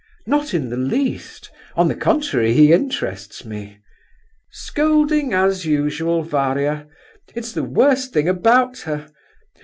"Not in the least; on the contrary, he interests me." "Scolding as usual, Varia! It is the worst thing about her.